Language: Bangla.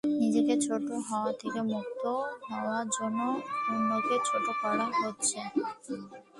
নিজে ছোট হওয়া থেকে মুক্ত হওয়ার জন্য অন্যকে ছোট করা হচ্ছে।